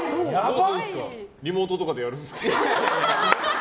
リモートとかでやるんですか？